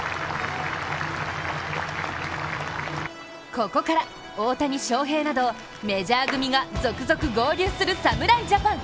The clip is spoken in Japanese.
ここから大谷翔平などメジャー組が続々合流する侍ジャパン。